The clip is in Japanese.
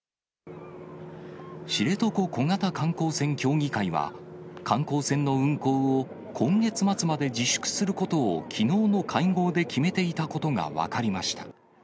知床小型観光船協議会は、観光船の運航を今月末まで自粛することを、きのうの会合で決めていたことが分かりました。